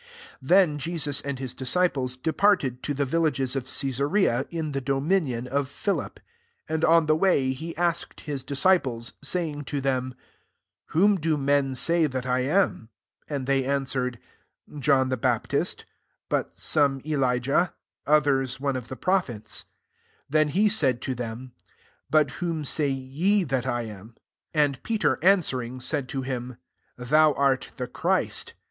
27 Then Jesus and his disci ples departed to the villages of Cesarea, in the dominion of Philip: and on the way, he asked his disciples, saying to them, " Whom do men say that I am ?" 28 And they an swered, " John the Baptist : but some Elijah : others, one of the prophets." 29 Then he said to them, " But whom say ye that I am ?" And Peter answer ing, said to him, " Thou art the Christ.